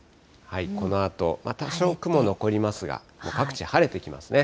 このあと、多少雲残りますが、各地、晴れてきますね。